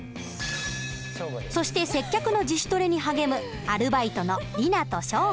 そして接客の自主トレに励むアルバイトの莉奈と祥伍。